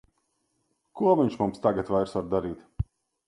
Ko viņš mums tagad vairs var darīt!